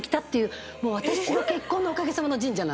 もう私の結婚のおかげさまの神社なんです。